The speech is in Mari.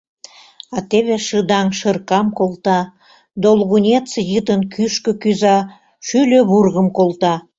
А теве шыдаҥ шыркам колта, долгунец-йытын кӱшкӧ кӱза, шӱльӧ вургым колта.